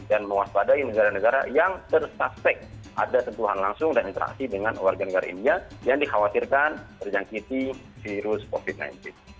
dan mewaspadai negara negara yang tersaspek ada tentuhan langsung dan interaksi dengan warga negara india yang dikhawatirkan terjangkiti virus covid sembilan belas